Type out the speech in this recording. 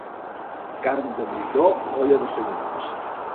Carn de moltó, olla de senyor.